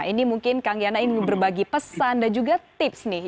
ini mungkin kang yana ingin berbagi pesan dan juga tips nih